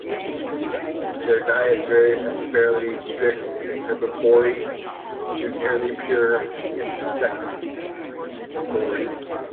Their diets vary from fairly strict herbivory to nearly pure insectivory.